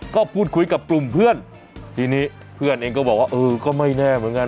ก็พูดคุยกับกลุ่มเพื่อนทีนี้เพื่อนเองก็บอกว่าเออก็ไม่แน่เหมือนกัน